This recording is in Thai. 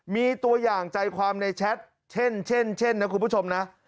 มีตัวอย่างใจความในแชทเช่นนะคุณผู้ชมนะ